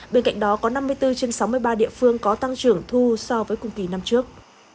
bên cạnh đó có năm mươi bốn trên sáu mươi ba địa phương có tăng trưởng thu so với cùng kỳ năm trước